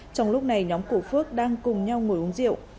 trong lúc này nhóm của phước đang cùng nhau ngồi uống rượu